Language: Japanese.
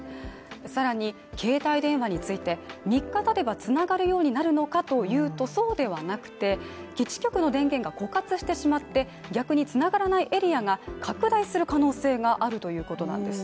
さらに、携帯電話について、３日たてば繋がるようになるのかというとそうではなくて、基地局の電源が枯渇してしまって、逆に繋がらないエリアが拡大する可能性があるということなんです。